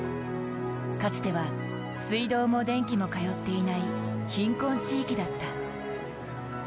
かつては水道も電気も通っていない貧困地域だった。